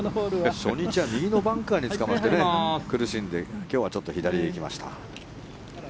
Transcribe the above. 初日は右のバンカーにつかまって苦しんで今日はちょっと左へ行きました。